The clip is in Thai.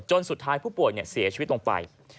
สุดท้ายผู้ป่วยเสียชีวิตลงไป